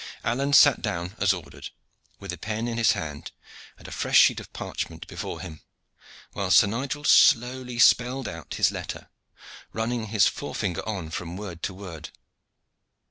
Alleyne sat down as ordered, with a pen in his hand and a fresh sheet of parchment before him, while Sir Nigel slowly spelled out his letter, running his forefinger on from word to word.